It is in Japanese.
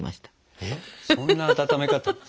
えっそんな温め方。